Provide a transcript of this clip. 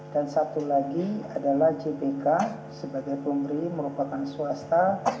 dan satu lagi adalah jpk sebagai pemberi merupakan swasta